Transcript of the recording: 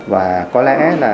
và có lẽ